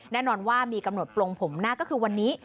แน่นอนว่ามีกำหนดปลงผมหน้าก็คือวันนี้